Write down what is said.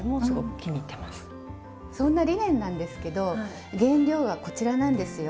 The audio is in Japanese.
そんなリネンなんですけど原料はこちらなんですよ。